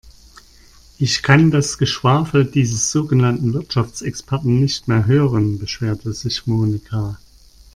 Ich kann das Geschwafel dieses sogenannten Wirtschaftsexperten nicht mehr hören, beschwerte sich Monika.